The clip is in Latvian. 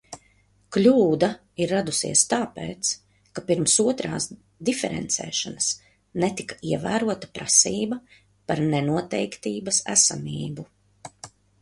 Kļūda ir radusies tāpēc, ka pirms otrās diferencēšanas netika ievērota prasība par nenoteiktības esamību.